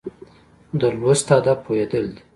د لوست هدف پوهېدل دي.